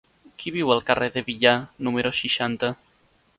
Qui viu al carrer de Villar número seixanta?